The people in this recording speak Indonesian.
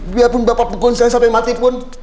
biarpun bapak pukul saya sampai mati pun